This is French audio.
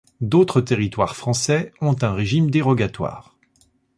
D'autres territoires français ont un régime dérogatoire.